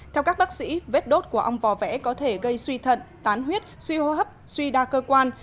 theo các bác sĩ vết đốt của ong vò vẽ có thể gây suy thận tán huyết suy hô hấp suy đa cơ quan